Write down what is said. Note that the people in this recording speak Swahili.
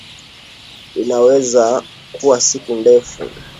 Inaweza kuwa siku ndefu